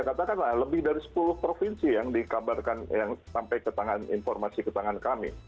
katakanlah lebih dari sepuluh provinsi yang dikabarkan yang sampai ke tangan informasi ke tangan kami